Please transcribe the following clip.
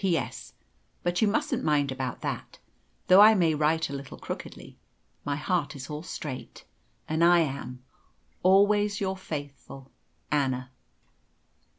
"P.S. But you mustn't mind about that. Though I may write a little crookedly, my heart is all straight, and I am "Always your faithful "ANNA.